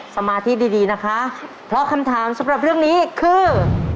สมาธิดีดีนะคะเพราะคำถามสำหรับเรื่องนี้คือ